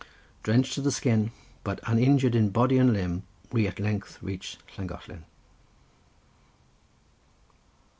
Drenched to the skin, but uninjured in body and limb, we at length reached Llangollen.